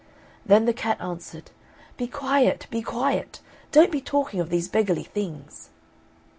Then the cat answered, "Be quiet, be quiet; don't be talking of these beggarly things."